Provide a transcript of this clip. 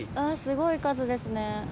あすごい数ですね。